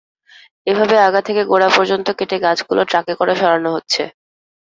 এভাবে আগা থেকে গোড়া পর্যন্ত কেটে গাছগুলো ট্রাকে করে সরানো হচ্ছে।